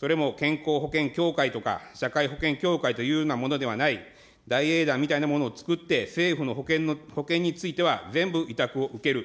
それも健康保険協会とか、社会保険協会というようなものではない、大営団みたいなものをつくって政府の保険については全部委託を受ける。